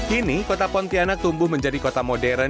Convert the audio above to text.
kini kota pontianak tumbuh menjadi kota modern